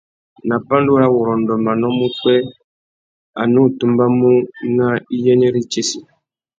Nà pandúrâwurrôndô manô má upwê, a nù tumbamú nà iyênêritsessi.